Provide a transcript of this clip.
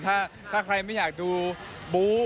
ถ้าใครไม่อยากดูบู๊